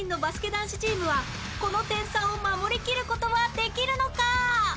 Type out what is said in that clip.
男子チームはこの点差を守り切る事はできるのか？